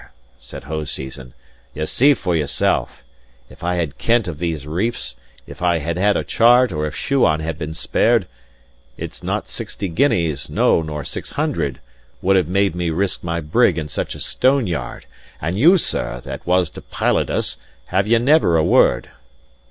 said Hoseason. "Ye see for yourself. If I had kent of these reefs, if I had had a chart, or if Shuan had been spared, it's not sixty guineas, no, nor six hundred, would have made me risk my brig in sic a stoneyard! But you, sir, that was to pilot us, have ye never a word?"